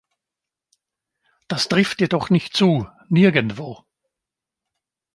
Das trifft jedoch nicht zu, nirgendwo.